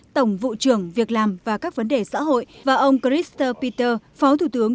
tổng vụ trưởng việc làm và các vấn đề xã hội và ông christer peter phó thủ tướng